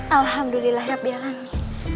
alhamdulillah ya biar angin